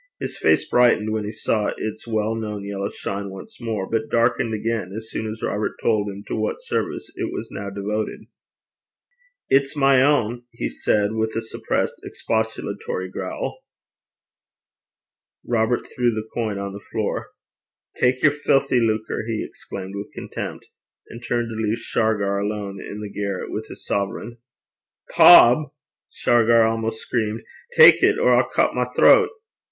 His face brightened when he saw its well known yellow shine once more, but darkened again as soon as Robert told him to what service it was now devoted. 'It's my ain,' he said, with a suppressed expostulatory growl. Robert threw the coin on the floor. 'Tak yer filthy lucre!' he exclaimed with contempt, and turned to leave Shargar alone in the garret with his sovereign. 'Bob!' Shargar almost screamed, 'tak it, or I'll cut my throat.'